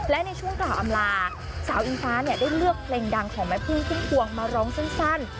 และในช่วงกล่าวอำลาสาวอิงฟ้าเนี่ยได้เลือกเพลงดังของแม่พึ่งพุ่มพวงมาร้องสั้น